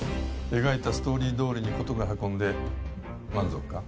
描いたストーリーどおりに事が運んで満足か？